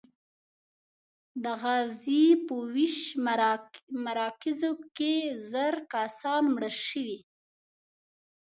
د غزې په ویش مراکزو کې زر کسان مړه شوي.